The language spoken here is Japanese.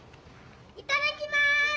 いただきます！